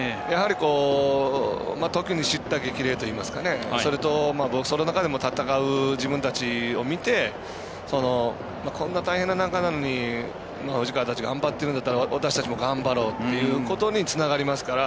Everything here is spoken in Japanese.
ときにしった激励といいますかその中でも戦う自分たちを見てこんな大変な中なのに藤川たちが頑張っているなら私たちも頑張ろうということにつながりますから。